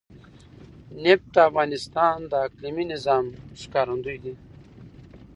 نفت د افغانستان د اقلیمي نظام ښکارندوی ده.